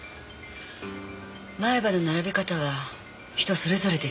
前歯の並び方は人それぞれで違う。